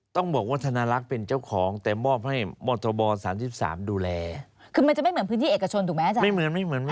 ต้องบอกว่าธนรักเป็นเจ้าของแต่มาบให้มรตบ๓๓ดูแล